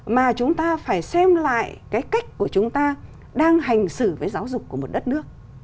mà chúng ta phải xem lại cái cách của chúng ta đang hành xử với giáo dục của một đất nước